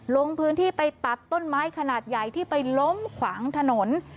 ลงพื้นที่ไปตัดต้นไม้ขนาดใหญ่ที่ไปล้มขวางถนน